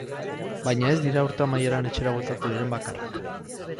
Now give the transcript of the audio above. Baina ez dira urte amaieran etxera bueltatu diren bakarrak.